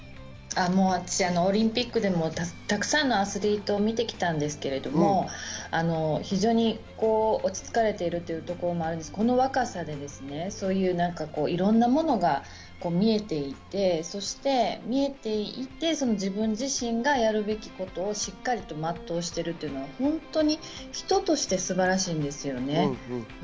私オリンピックでもたくさんのアスリートを見てきたんですけれども、非常に落ち着かれているというところもあるし、この若さでいろんなものが見えていて、自分自身がやるべきことをしっかりと全うしているというのは、本当に人として素晴らしいんですよね。